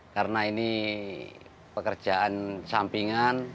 karena ini pekerjaan sampingan